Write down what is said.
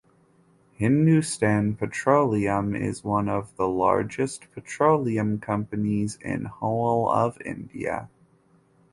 Hindustan Petroleum is one of the largest petroleum companies in whole of India.